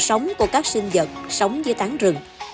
sống của các sinh vật sống dưới tán rừng